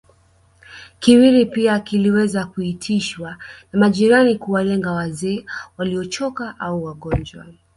Kiwiri pia kiliweza kuitishwa na majirani kuwalenga wazee waliochoka au wagonjwa